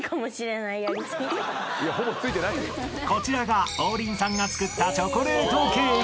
［こちらが王林さんが作ったチョコレートケーキ］